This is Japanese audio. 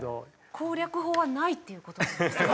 攻略法はないっていう事なんですか？